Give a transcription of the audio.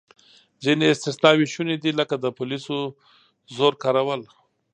ځینې استثناوې شونې دي، لکه د پولیسو زور کارول.